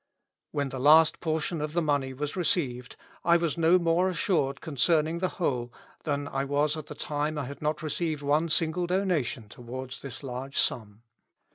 When the last portion of the money was received, I was no more assured concerning the whole, than I was at the time I had not received one single donation towards this large sum.